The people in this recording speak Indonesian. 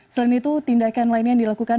selain itu tindakan lainnya yang dilakukan